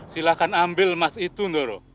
silahkan ambil mas itun doro